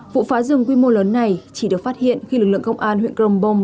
vụ phá rừng quy mô lớn này chỉ được phát hiện khi lực lượng công an huyện crong bông